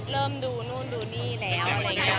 เริ่มดูนู่นดูนี่แล้วอะไรอย่างนี้